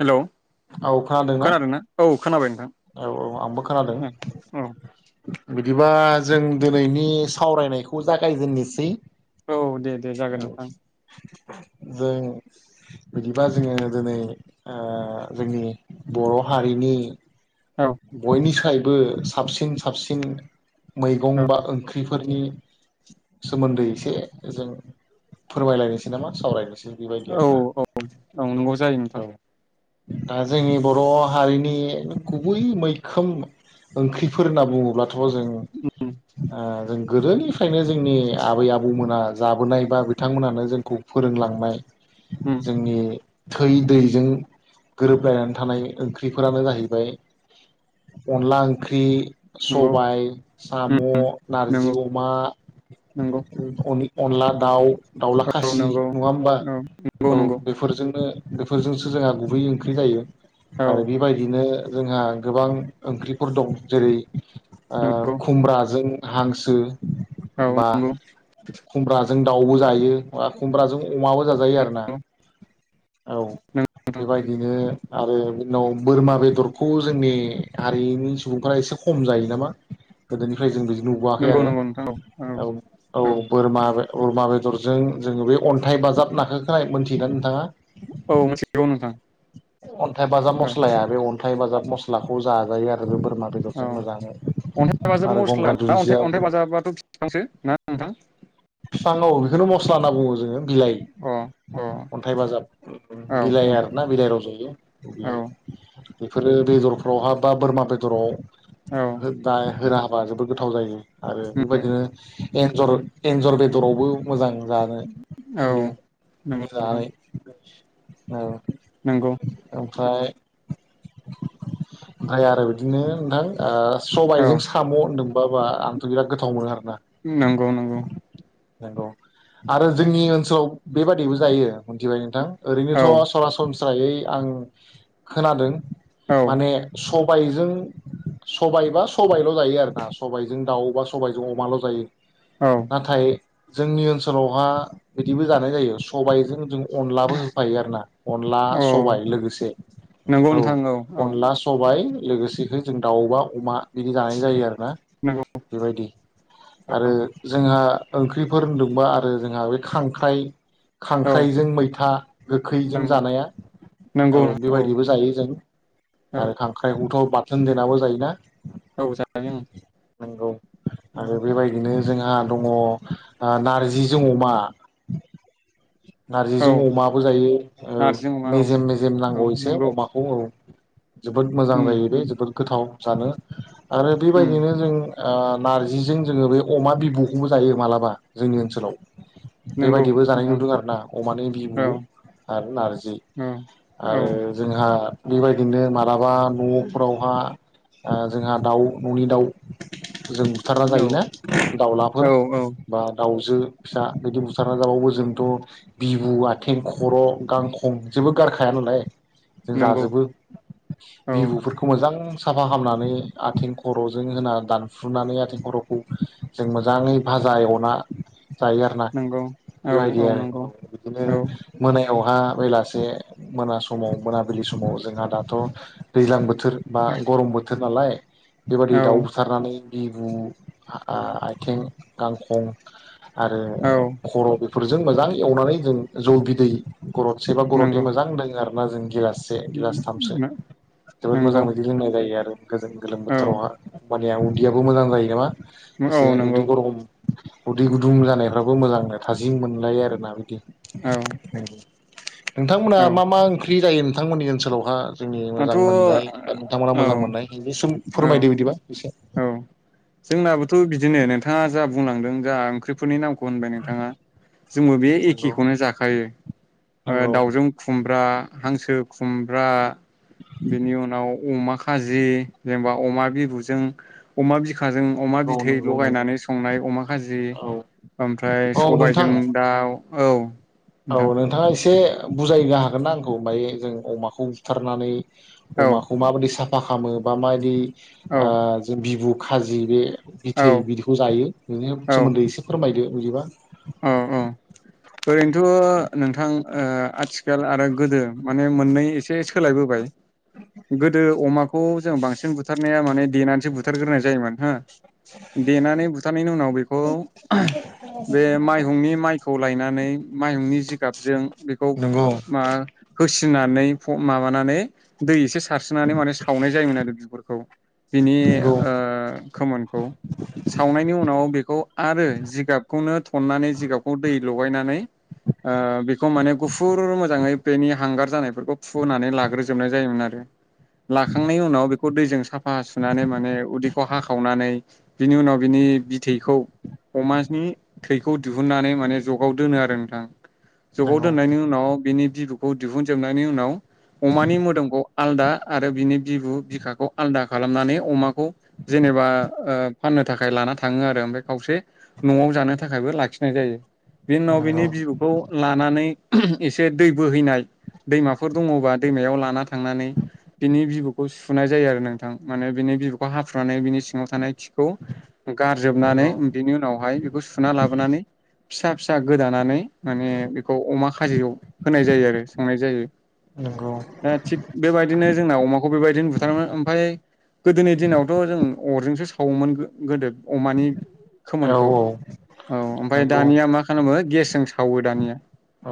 हेल' खोनादोंना औ खोनाबाय नोंथां औ औ आंबो खोनादों औ बिदिबा जों दिनैनि सावरायनायखौ जागायजेननोसै औ दे दे जागोन औ नोंथां जों बिदिबा जोङो दिनै ओ जोंनि बर' हारिनि औ बयनिसाय बो साबसिन साबसिन औ मैगं बा ओंख्रिफोरनि सोमोन्दै एसे जों फोरमायलायनोसै नामा सावरायनोसै बेबायदि औ आरोना औ औ नंगौ जायो औ नोंथां दा जोंनि बर' हारिनि बै मैखोम ओंख्रिफोर होनना बुङोब्ला थ जों ओ जों गोदोनिफ्रायनो जोंनि आबै आबौमोना जाबोनाय बा बिथांमोनानो जोंखौ फोरोंलांनाय उम जोंनि थै दैजों गोरोबलायनानै थानाय ओंख्रिफोरानो जाहैबाय अनला ओंख्रि नंगौ सबाइ उम साम' नारजि नंगौ अमा नंगौ अनि अनला दाउ दाउला औ खासि नंगौ नङा होमबा नंगौ औ बेफोरजोंनो बेफोरजोंसो जोंहा गुबै ओंख्रि जायो। आरो औ बेबायदिनो जोंहा गोबां ओंख्रिफोर दं जेरै ओ नंगौ खुमब्राजों हांसो औ बा नंगौ खुमब्राजों दाउबो जायो बा खुमब्राजों अमाबो जाजायो आरोना औ बेबायदिनो आरो बिनि उनाव बोरमा बेदरखौ जोंनि हारिनि सुबुंफोरा एसे खम जायो नामा गोदोनिफ्राय जों नुबोआखै नंगौ आरो नंगौ नोंथां औ औ बोरमा बोरमा बेदरजों जोङो बे अन्थाइ बाजाब नाखो खोनायो मोनथियोना नोंथां आ? औ मोनथिगौ नोंथां। अन्थाइ बाजाब औ मस्लाया बे अन्थाइ बाजाब मस्लाखौ जाजायो आरो जबोर औ अन्थाइ बाजाब आरो मस्ला गंगार ना दुन्दिया अन्थाइ अन्थाइ बाजाबाथ' बिफांसो ना? नोंथां। बिफां औ बेखौनो मस्ला होनना बुंङो जोङो। बिलाइ अ अ अन्थाइ बाजाब औ बिलाइ आरोना बिलाइ रज'यो औ बियो बेफोरो बेदरफ्राव हाबबा बोरमा बेदराव औ [unintelligible] होबा जोबोद गोथाव जायो। आरो उम बेबायदिनो एन्जर एन्जर बेदर दरावबो मोजां जानो औ हायो नंगौ बिदि नोंथां जानाय‌ औ नंगौ ओमफ्राय ओमफ्राय आरो बिदिनो नोंथां ओ औ सबायजों साम' होनदोंमोन माब्लाबा आंथ' बिराद गोथाव मोनो आरो नंगौ नंगौ नंगौ आरो जोंनि ओनसोलाव बेबादिबो जायो मिथिबाय नोंथां ओरैनोथ' औ सरासनस्रा फिसायै आं खोनादों औ माने सब सबायजों सबाइबा सबबायल' जायो आरोना सबायजों दाउ बा सबायजों अमाल' जायो औ नाथाय जोंनि ओनसोलावहा बिदिबो जानाय जायो सबायजों जों अनलाबो होफायो आरोना अनला औ सबाय लोगोसे नंगौ औ नोंथां औ अनला सबाय लोगोसेनो जों दाउबा अमा बिदि जानाय जायो आरोना नंगौ बेबायदि औ आरो जोंहा [unintelligible] फख्रिफोर होनदोंबा आरो जोंहा बे खांख्राइ औ खांख्राइजों मैथा गोखैजों जानाया औ बेबायदिबो जायो जों औ आरो खांख्राइखौथ बाथ जों देनाबो जायोना औ जायो जों नंगौ आरो बेबायदिनो जोंहा दंङ नारजिजों अमा नारजिजों औ अमाबो जायो औ नारजि अमा औ मेजेम मेजेम औ नांगौ एसे नंगौ अमाखौ औ जोबोद मोजां उम जायो बे उम जोबोद गोथाव जानो आरो उम बेबायदिनो जों आ नार्जिजों जोंङो बे अमा बिबुखौबो जायो मालाबा जोंनि ओनसोलाव नंगौ बेबायदिबो जानाय नोंथां नुदों आरो ना अमानि औ बिबु आरो नारजि औ औ आरो जोंहा बेबायदिनो माब माबा न'फोरावहा ओ जोंहा दाउ न'नि दाउ जों बुथारना जायोना दाउलाफोर औ औ बा दाउजो फिसा बिदि बुथारना जाबाबो जोंथ' बिबु आथिं खर' गांखं जेबो गारखाया नालाय जों नंगौ जाजोबो औ बिबुफोरखौ मोजां साफा खालामामनानै आथिं खर'जों होना दानफ्रुनानै आथिं खर'खौ जों मोजाङै फाजा एव ना जायो आरोना नंगौ औ बेबायदि औ नंगौ आरो बिदिनो औ मोनायावहा बेलासे मोना समाव मोनाबिलि समाव जोंहा दाथ' दैज्लां बोथोर बा गरम बोथोर नालाय [inaudible] औ बेबायदिनो दाउ बुथारनानै। बिबु हारा आयथें गांखं। आरो औ खर'। फोरजों मोजां एवनानै जों जौ बिदै। गरदसेबा गरदनि नंगौ मोजां लोङो आरो। मा जों गिलास। से गलासथामसो नंगौ जोबोद मोजां बिदि लोंनाय जायो आरो। गोजोन गोलोम औ बोथोरावहा। माने उन्दैयाबो मोजां जायो बा। औ एसे नंगौ उदि ग रम। उदै गुदुं जानायफ्राबो मोजांनो थाजिम मोनलायो आरोना बिदि। औ [unintelligible] नोंथांमोना औ मा मा ओंख्रि। फ्रि जायो नोंथांमोननि ओनसोलावहा। जोंनि आंथ' मोजां औ मोननाय बा नोंथांमोना मोजां औ मोननाय बिनिसोमोन्दै फोरमायदो बिदिबा एसे। औ जोंनाबोथ' बिदिनो नोंथाङा जा बुंलांदों जा ओंख्रिफोरनि नामखौ। होनबाय नोंथाङा जोंबो बे नंगौ एखेखौनो जाखायो नंगौ दाउजों खुमब्रा हांसो खुम। रा। बेनि उनाव अमा। खाजि जेनेबा अमा बिबुजों अमा बि। खाजों अमा नंगौ बिथै नंगौ लगायनानै संनाय अमा खाजि नंगौ औ ओमफ्राय औ नोंथां सबायजों दाउ। औ। औ नोंथां नोंथाङा एसे। बुजायग हागोननाा आंखौ माय जों अमाखौ बुथारनानै। औ अमाखौमाबदि सा। मा खालामो बा माबायदि। औ ओ जों बिबु खाजि बे बिथै बिबुखौ जायो बिनि औ सोमोन्दै एसे फोरमायदो [unintelligible] औ औ खिनथु नोंथां ओ आथिखाल आरो गोदो माने मोननै एसे सोलायबोबाय गोदो अमा खौ जों बांसिन बुथारनाया माने देनानैसो बुथारग्रोनाय जायोमोन हो देनानै बुथारनायनि उनाव बेखौ बे माइहुंनि माइखौ लायनानै माइहुंनि जिगाबजों बेखौ नंगौ मा होसिनानै फ माबानानै दै एसे सा सारस्रोनानै माने सावनाय जायोमोन आरो बिगुरखौ बिनि नंगौ ओ खोमोनखौ सावनायनि उनाव बेखौ आरो जिगाबखौनो थननानै जिगाबखौ दै लगायनानै ओ बेखौ माने गुफुर मोजाङै बेनि हांगार जानायफोरखौ फुनानै लाग्रोजोबनाय जायोमोन आरो लाखांनायनि उनाव बे- खौ दैजों साफा सुनानै माने उदैखौ हाखावनानै बिनि उनाव बिनि बिथैखौ अमानि थैखौ दिहुननानै माने जगाव दोनो आरो नोंथां जगाव नंगौ दोननायनि उनाव बिनि बिबौखौ दिहुनजोबनायनि उनाव अमानि मोदोमखौ आलदा आरो बिनि बिबु बिखाखौ आलदा खालामनानै अमाखौ जेनेबा ओ फाननो थाखाय लाना थाङो आरो ओमफ्राय खावसे न'आव जानो थाखायबो लाखिनाय जायो बिनि उनाव नंगौ बिनि बिबुखौ लानानै एसे दै बोहैनाय दैमाफोर दङबा दैमायाव लाना थांनानै बिनि बिबु खौ सुफुनाय जायो आरो नोंथां माने बिनि बिबौखौ हाफुनानै बिनि सिङाव थानाय खिखौ- खौ गारजोबनानै नंगौ बेनि उनावहाय बेखौ सुना लाबोनानै फिसा फिसा गोदान- नानै माने बेखौ अमा खाजियाव होनाय जायो आरो संनाय जायो नंगौ दा थिग बेबायदिनो जोंना अमाखौ बेबायदिनो बुथारोन ओमफाय गोदोनि दिनावथ' जों- अरजोंसो सावोमोन गो गोदो अमानि औ खोमोनखौ औ औ ओमफाय नंगौ दानिया मा खालामो ओ गेस सावो दानिया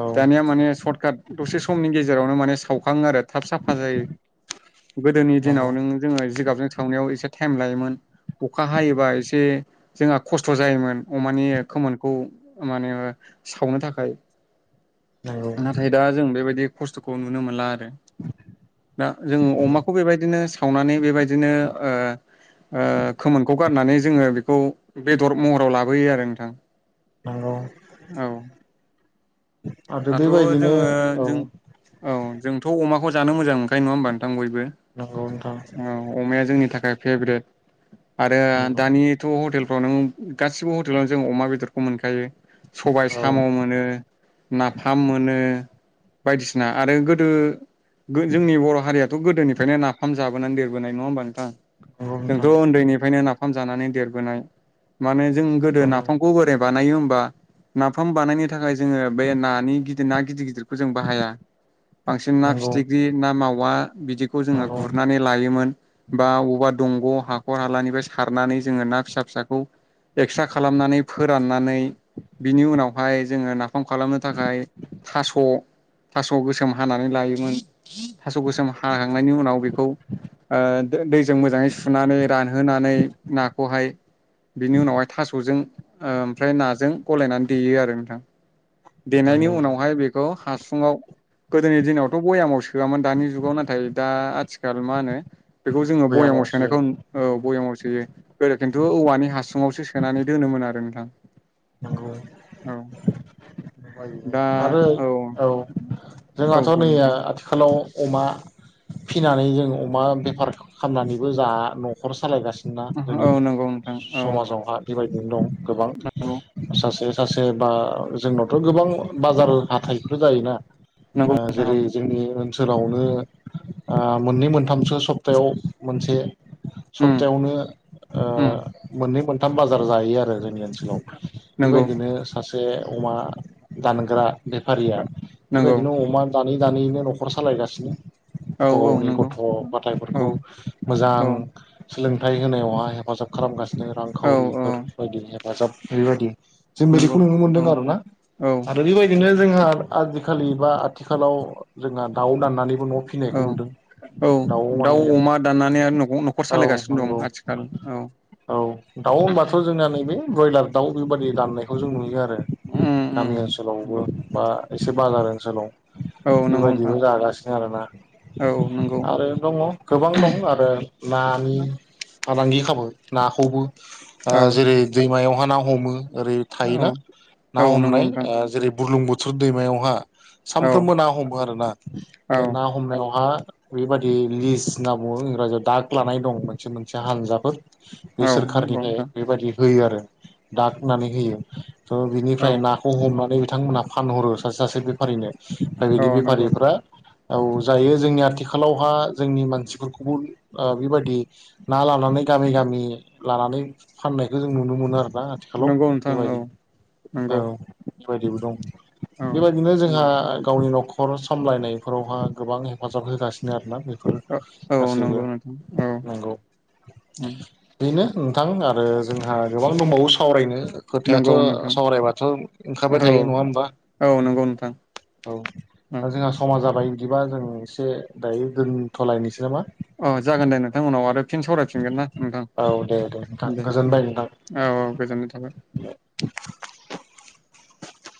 औ दानिया माने सर्ट काट दसे समनि गेजेरावनो माने खाङो आरो थाब साफा जायो गोदोनि नंगौ दिनाव नों जोङो जिगाबजों थावनायाव एसे थाब थाइम लायोमोन अखा हायोबा एसे जोंहा खस्थ' जायोमोन अमानि खोमोन खौ माने सावनो थाखाय नंगौ नाथाय दा जों बेबायदि खस्थ'खौ नुनो मोनला दा जों अमाखौ बेबायदिनो सावनानै बेबायदिनो अ अ खोमोनखौ गारनानै जोङो बेखौ बेदर महराव लाबोयो आरो नोंथां नंगौ औ आरो दाथ' बेबायदिनो जोङो औ जों औ जोंथ' अमाखौ जानो मोजां मोनखायो नङा होनबा नोंथां नंगौ नोंथां औ अमाया जोंनि थाखाय फेबरेट आरो नंगौ दानिथ' हटेल अ नों गासिबो हटेलाव जों अमा बेदर खौ मोनखायो सबाय औ साम' मोनो नाफाम मोनो बायदिसिना आरो गोदो जोंनि बर' हारिया थ' गोदोनिफ्रायनो नाफाम जाबोनानै देरबोनाय नङा होमबा नोंथां नंगौ नोंथां जोंथ' उन्दैनिफ्रायनो नाफाम जानानै देरबोनाय माने जों गोदो नाफामखौ बोरैय बानायो होमबा नाफाम बानायनो थाखाय जोङो बे नानि गिदिर ना गिदिर गिदिर खौ जों बाहाया बांसिन नंगौ ना फिथिख्रि ना मावा बिदिखौ जोङो नंगौ गुरनानै लायोमोन बा बबावबा दंग' हाखर हालानिफ्राय सारनानै जोङो ना फिसा फिसाखौ एक्सर्रा खालामनानै फोराननानै बिनि उनाव हाय जोङो ना फाम खालामनो थाखाय थास' थास' गोसोम हानानै लायोमोन। थास' गोसोम हाखांनायनि उनाव बेखौ ओ ओ दैज जों मोजाङै सुनानै रानहोनानै नाखौहाय बिनि उनावहाय थास'जों ओमफ्राय नाजों गलायनानै देयो आरो नोंथां। देनायनि नंगौ नोंथां उनावहाय बेखौ हासुङाव गोदोनि दिनावथ' बयामाव सोआमोन दानि जुगाव नाथाय दा आथिखाल मा होनो बेखौ जोङो भयामाव बयाममाव सोयो सोनायखौ औ बयामाव सोयो गोदो खिन्थु औवानि हासुआवसो सोनानै दोनोमोन आरो नोंथां। नंगौ। औ दा आरो औ औ जोंहाथ' बुं नैया नोंथां आथिखालाव अमा फिनानै जों अमा बेफार खालामनानैबो जा न'खर सालायगासिनो। ना जोंनि औ नंगौ नोंथां औ समाजावहा बेबायदिनो दं गोबां। सासे सासे बा जोंनावथ' गोबां बाजार हाथाइफोर जायोना। नंगौ ओं जेरै नंगौ नोंथां जोंनि ओन ओनसोलावनो ओ मोननै मोनथामसो सप्तायाव मोनसे औ सप्तायावनो ओ उम उम मोननै मोन थाम बाजार जायो आरो जोंनि ओनसोलाव। नंगौ बेबायदिनो सासे जे अमा दानग्रा बेफारिया नंगौ बेबायदिनो अमा दानै दानैनो न'खर सालायगासिनो। औ गाव औ गावनि नंगौ गथ' औ गथायाइफोरखौ मोजां औ सोलों थाय होनायावहाय हेफाजाब खालामगासिनो। बिदिनो औ औ रांखावरिफोर बायदिनो हेफाजाब। बेबायदि जों नंगौ बेदिखौ नुनो औ मोनदों आरोना औ आरो बेबायदिनो जोंहा आजि खालि बा आथिखालाव जोंहा दाउ दाननानै औ औ दाउ, माने अमा दाननानै आरो न'खर औ सालायगासिनो दं नंगौ आथिखाल औ। बयलार दाउ बेबादि दाननायखौ जों नुयो आरो। उम गामि ओनसोलावबो नंगौ बा एसे बाजार ओनसोलाव। औ नंगौ नोंथां बेबायदिबो जागासिनो आरोना औ नंगौ आरो दङ गोबां दं आरो नानि फालांगि खाबो नाखौबो। ओ औ जेरै दैमायाव। [inaudible] हमो। ओरै औ थायोना ना औ नंगौ हमनाय नोंथां ओ जेरै बुरलुंबुु। थुर दैमायावहा। औ सानफ्रोमबो ना हमो आरोना औ बे ना हमनायावहा। बेबायादि लिस होनना बुङो इंराजियाव दाग लानाय दं मोनसे मोनसे हानजाफोर। बे औ नंगौ सोरखारनिफ्राय नोंथां बेबायदि होयो आरो। दागनानै होयो। थ' औ बिनिफ्राय नाखौ हमनानै। बिथांमोनहा फानहरो सासे सासे बेफारिनो। आरो औ बे नंगौ बेफारिफ्रा औ जायो जोंनि आथिखालावहा जोंनि मानसिफोरखौबो ओ बेबायदि ना लानानै गामि गामि लानानै फाननायखौ जों नुनो मोनो आरोना। आथिखालाव नंगौ नोंथां औ नंगौ। बायदिबो दं। औ बेबायदिनो जोंहा आ गावनि न'खर सामलायनायफोरावहा गोबां हेफाजाब होगासिनो आरो। बेफोर औ गासैबो नंगौ नोंथां औ नांगौ उम बेनो। नोंथां आरो जोंहा गोबां दंबावो। सावरायनो। खोथायाथ' नंगौ नोंथां सावरायबाथ' ओंखारबाय औ थायो नङा होमबा औ नंगौ नोंथां औ औ दा जोंहा समाज जाबाय। बिदिबा जों एसे दायो दोनथ'लायनोसै नामा? औ जागोन दे नोंथां उनाव आरो फिन सावरायफिनगोन ना नोंथां औ दे नोंथां दे गोजोनबाय नोंथां ओ औ औ गोजोननाय थाबाय। [inaudible]